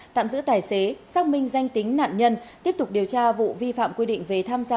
tạm giữ tài xế xác minh danh tính nạn nhân tiếp tục điều tra vụ vi phạm quy định về tham gia